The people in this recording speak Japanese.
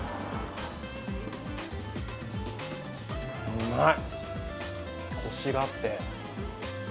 うまい。